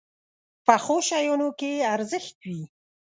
پخو شیانو کې ارزښت وي